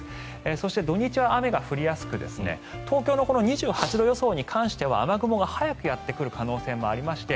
そして、土日は雨が降りやすく東京のこの２８度予想に関しては雨雲が早くやってくる可能性もありまして